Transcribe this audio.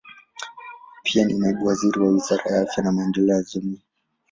Pia ni naibu waziri wa Wizara ya Afya na Maendeleo ya Jamii.